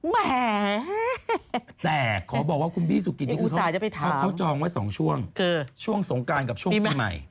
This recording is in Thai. แหมแต่ขอบอกว่าคุณบี้สุกินที่เขาจองไว้๒ช่วงช่วงสงการกับช่วงใหม่